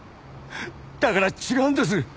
だから違うんです！